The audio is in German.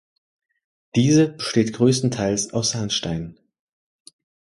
Diese besteht größtenteils aus Sandstein.